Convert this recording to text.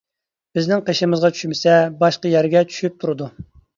بىزنىڭ قېشىمىزغا چۈشمىسە، باشقا يەرگە چۈشۈپ تۇرىدۇ.